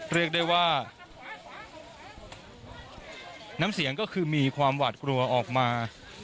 เรียกได้ว่าน้ำเสียงก็คือมีความหวาดกลัวออกมา